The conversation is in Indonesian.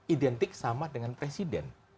identik sama dengan presiden